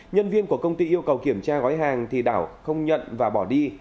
nhân viên của công ty yêu cầu kiểm tra gói hàng thì đảo không nhận và bỏ đi